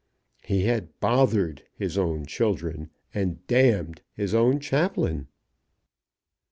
He had "bothered" his own children, and "damned" his own chaplain!